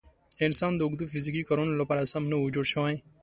انسان د اوږدو فیزیکي کارونو لپاره سم نه و جوړ شوی.